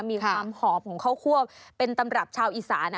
มีความหอมของข้าวคั่วเป็นตำรับชาวอีสานะ